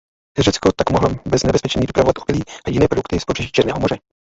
Řecko tak mohlo bez nebezpečí dopravovat obilí a jiné produkty z pobřeží Černého moře.